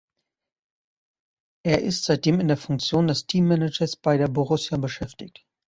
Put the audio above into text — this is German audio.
Er ist seitdem in der Funktion des Teammanagers bei der Borussia beschäftigt.